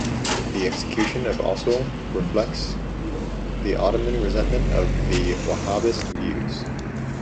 The execution of also reflects the Ottoman resentment of the Wahhabist views.